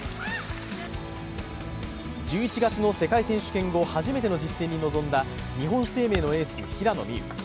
１１月の世界選手堅固、初めての実戦に臨んだ日本生命のエース、平野美宇。